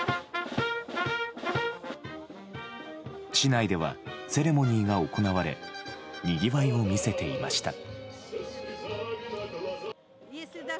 市内ではセレモニーが行われにぎわいを見せていました。